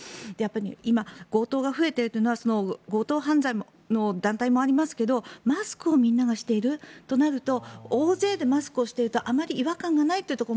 今、強盗が増えているというのは強盗犯罪の団体もありますがマスクをみんながしているとなると大勢でマスクをしているとあまり違和感がないというところも